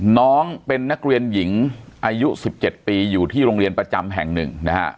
น้องเป็นนักเรียนหญิงอายุ๑๗ปีอยู่ที่โรงเรียนประจำแห่งหนึ่งนะฮะ